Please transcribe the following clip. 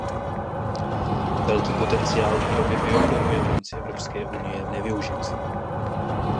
Velký potenciál výroby bioplynu je v rámci Evropské unie nevyužit.